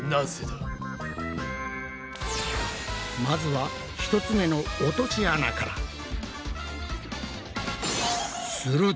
まずは１つ目の落とし穴から。